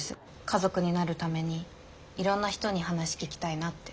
家族になるためにいろんな人に話聞きたいなって。